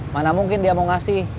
mana mungkin dia mau ngasih